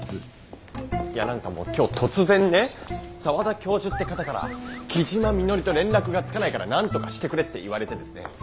いや何かもう今日突然ね澤田教授って方から木嶋みのりと連絡がつかないからなんとかしてくれって言われてですね